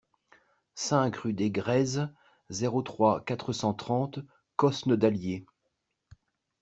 cinq rue des Grèzes, zéro trois, quatre cent trente Cosne-d'Allier